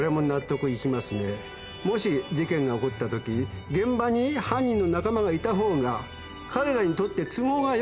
もし事件が起こったとき現場に犯人の仲間がいたほうが彼らにとって都合がよかった。